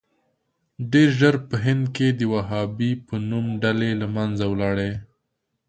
ډېر ژر په هند کې د وهابي په نوم ډلې له منځه ولاړې.